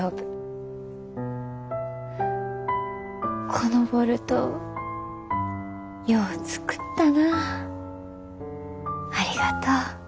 「このボルトよう作ったなありがとう」。